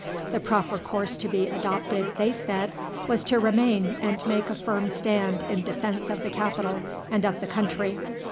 The proper course to be adopted, they said, was to remain and make a firm stand in defense of the capital and of the country.